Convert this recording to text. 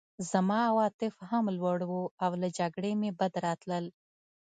زما عواطف هم لوړ وو او له جګړې مې بد راتلل